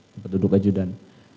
tempat duduk ajudan